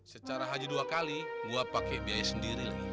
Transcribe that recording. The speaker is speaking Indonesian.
secara haji dua kali gue pakai biaya sendiri